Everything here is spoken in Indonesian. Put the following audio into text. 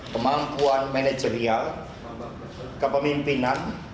kemampuan manajerial kepemimpinan integritas